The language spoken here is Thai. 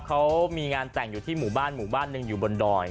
เขามีงานแต่งอยู่ที่หมู่บ้านหมู่บ้านหนึ่งอยู่บนดอย